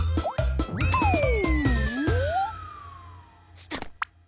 スタッ！